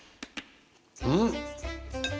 うん？